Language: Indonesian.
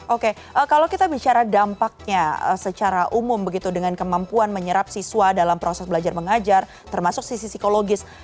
oke kalau kita bicara dampaknya secara umum begitu dengan kemampuan menyerap siswa dalam proses belajar mengajar termasuk sisi psikologis